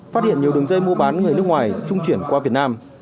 phát hiện nhiều đường dây mua bán người nước ngoài trung chuyển qua việt nam